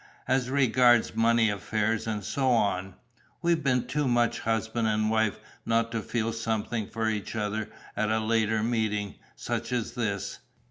As regards money affairs and so on. We've been too much husband and wife not to feel something for each other at a later meeting, such as this.